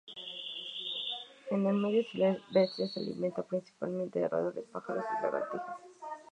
En el medio silvestre, se alimenta principalmente de roedores, pájaros y lagartijas.